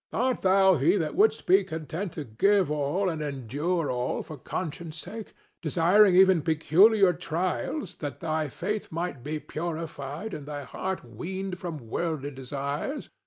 "Art thou he that wouldst be content to give all and endure all for conscience' sake, desiring even peculiar trials that thy faith might be purified and thy heart weaned from worldly desires?